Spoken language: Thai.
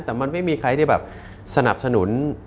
แต่มันไม่มีใครที่สนับสนุน